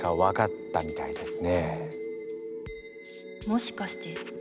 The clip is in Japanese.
もしかして。